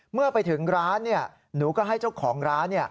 เมื่อไปถึงร้านหนูก็ให้เจ้าของร้าน